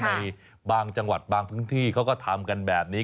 ในบางจังหวัดบางพื้นที่เขาก็ทำกันแบบนี้